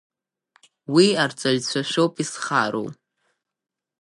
Уи арҵаҩцәа шәоуп изхароу.